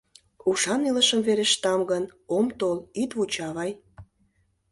Ушан илышым верештам гын, ом тол, ит вучо, авай.